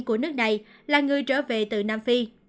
của nước này là người trở về từ nam phi